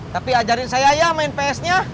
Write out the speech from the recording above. tapi ajarin saya ya main psnya